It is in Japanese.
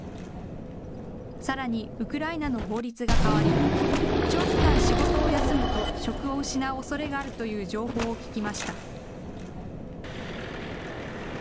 さらにウクライナの法律が変わり、長期間仕事を休むと職を失うおそれがあるという情報を聞きました。